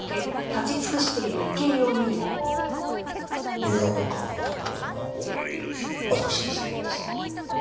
身柄の確保が遅れたのは私の責任です。